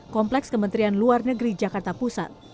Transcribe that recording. kompleks kementerian luar negeri jakarta pusat